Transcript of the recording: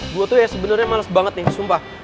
gue tuh ya sebenarnya males banget nih sumpah